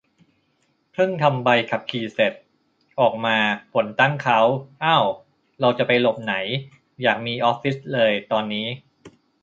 เพิ่งทำใบขับขี่เสร็จ ออกมา ฝนตั้งเค้า เอ้า แล้วจะไปหลบไหน อยากมีออฟฟิศเลยตอนนี้